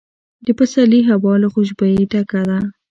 د پسرلي هوا له خوشبویۍ ډکه ده.